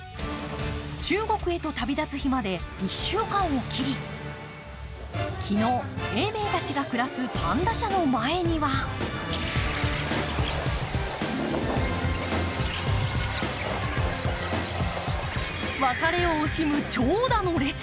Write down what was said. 中国へと旅立つ日まで１週間を切り、昨日、永明たちが暮らすパンダ舎の前には別れを惜しむ長蛇の列。